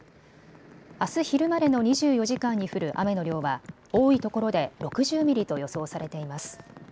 あす昼までの２４時間に降る雨の量は多いところで６０ミリと予想されています。